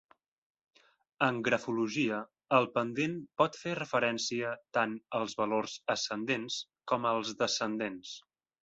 En grafologia, el pendent pot fer referència tants als valors ascendents com als descendents.